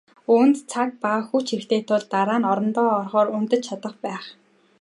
Үүнд цаг ба хүч хэрэгтэй тул дараа нь орондоо орохоор унтаж чадах байх.